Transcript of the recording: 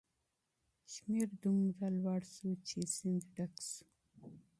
شمیر دومره لوړ شو چې سیند ډک شو.